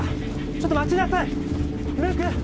ちょっと待ちなさい！